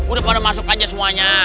udah pada masuk aja semuanya